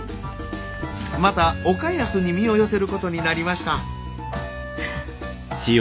また岡安に身を寄せることになりました。